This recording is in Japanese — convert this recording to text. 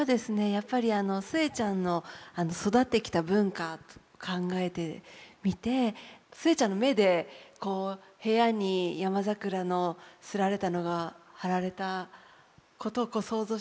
やっぱり寿恵ちゃんの育ってきた文化を考えてみて寿恵ちゃんの目でこう部屋にヤマザクラの刷られたのが貼られたことを想像したら出てきました。